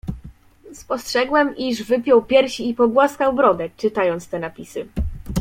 "Spostrzegłem, iż wypiął piersi i pogłaskał brodę, czytając te napisy."